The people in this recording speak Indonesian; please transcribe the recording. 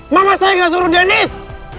mama saya nggak suruh dennis